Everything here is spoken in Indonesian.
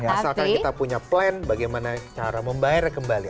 asalkan kita punya plan bagaimana cara membayarnya kembali